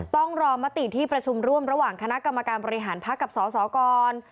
ต้องรอมติที่ประชุมร่วมระหว่างคณะกรรมการบริหารพักกับสสก่อน